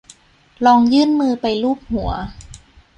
ลองยื่นมือไปลูบหัว